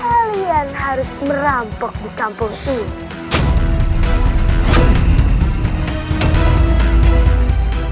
kalian harus merampok di kampung ini